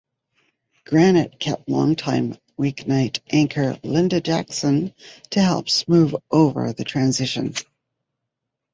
Granite kept longtime weeknight anchor Linda Jackson to help smooth over the transition.